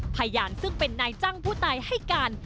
พยานซึ่งเป็นนายจ้างผู้ตายให้การ